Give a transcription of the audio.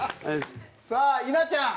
さあ稲ちゃん。